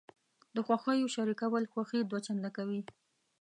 د خوښیو شریکول خوښي دوه چنده کوي.